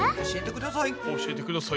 教えてください！